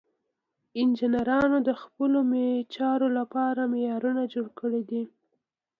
انجینرانو د خپلو چارو لپاره معیارونه جوړ کړي دي.